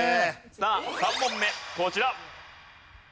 さあ３問目こちら。